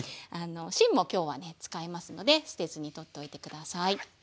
芯も今日はね使いますので捨てずに取っといて下さい。